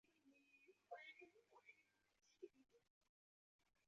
父亲陈谦。